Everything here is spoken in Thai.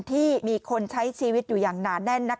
ที่มีคนใช้ชีวิตอยู่อย่างหนาแน่น